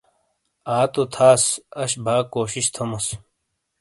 آ تو تھاس، اش با کوشش تھوموس۔